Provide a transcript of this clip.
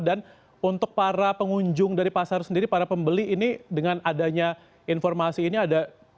dan untuk para pengunjung dari pasar sendiri para pembeli ini dengan adanya informasi ini ada